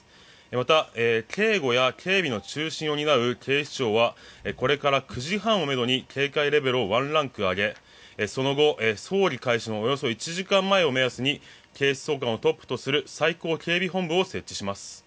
また警護や警備の中心を担う警視庁はこれから９時半をめどに警戒レベルをワンランク上げその後、葬儀開始の１時間前を目安に警視総監をトップとする最高警備本部を設置します。